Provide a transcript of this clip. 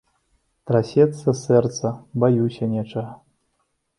Трасецца сэрца, баюся нечага.